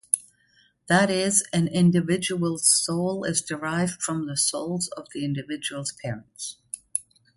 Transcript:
That is, an individual's soul is derived from the souls of the individual's parents.